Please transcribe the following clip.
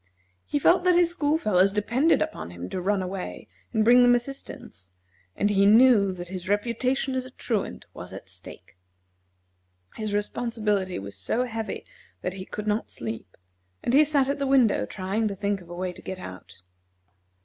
He felt that his school fellows depended upon him to run away and bring them assistance, and he knew that his reputation as a Truant was at stake. His responsibility was so heavy that he could not sleep, and he sat at the window, trying to think of a way to get out.